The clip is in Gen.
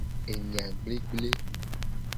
Enya gblegble.